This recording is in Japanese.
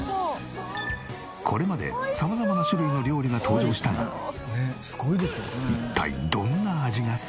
これまで様々な種類の料理が登場したが一体どんな味がするのか？